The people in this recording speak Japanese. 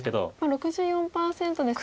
６４％ですと。